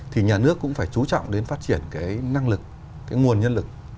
thì nhà nước cũng phải chú trọng đến phát triển cái năng lực cái nguồn nhân lực